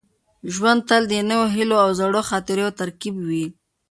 ژوند تل د نویو هیلو او زړو خاطرو یو ترکیب وي.